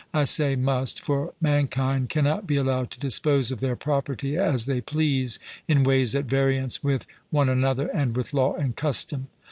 I say 'must'; for mankind cannot be allowed to dispose of their property as they please, in ways at variance with one another and with law and custom.